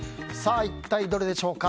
一体どれでしょうか。